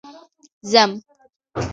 ځم